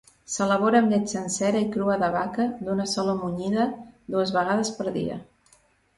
S'elabora amb llet sencera i crua de vaca d'una sola munyida dues vegades per dia.